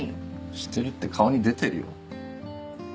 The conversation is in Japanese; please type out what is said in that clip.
してるって顔に出てるよ。